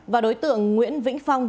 và đối tượng nguyễn vĩnh phong